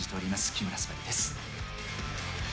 木村昴です。